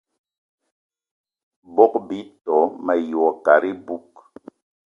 Bogb-ito mayi wo kat iboug.